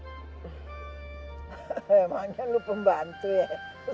emangnya lu pembantu ya